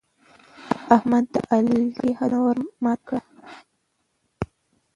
احمد د علي هډونه ور مات کړل.